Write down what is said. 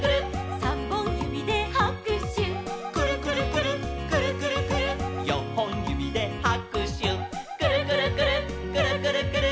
「にほんゆびではくしゅ」「くるくるくるっくるくるくるっ」「さんぼんゆびではくしゅ」「くるくるくるっくるくるくるっ」